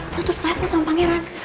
tuh tuh seletnya sama pangeran